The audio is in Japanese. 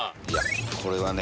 これはね